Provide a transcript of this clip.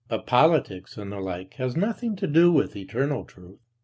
But politics and the like has nothing to do with "eternal truth."